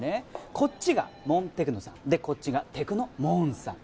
こっちがｍｏｎテクノさんでこっちがテクノｍｏｎさん